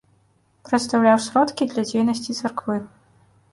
Прадстаўляў сродкі для дзейнасці царквы.